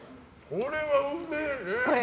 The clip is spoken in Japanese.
これは、うめえね。